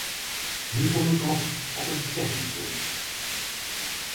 Nu kom ik nog op een technisch punt.